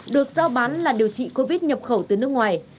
được giao bán là điều trị covid nhập khẩu từ nước ngoài